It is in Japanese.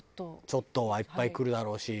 「ちょっと」はいっぱいくるだろうし。